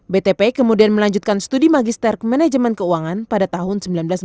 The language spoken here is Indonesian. btp kemudian melanjutkan studi magister ke manajemen keuangan pada tahun seribu sembilan ratus sembilan puluh